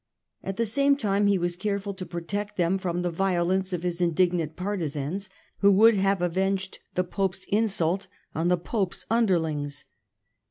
At the same time he was careful to protect them from the violence of his indignant partisans, who would have avenged the Pope's insult on the Pope's underlings.